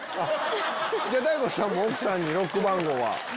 じゃあ大悟さんも奥さんにロック番号は？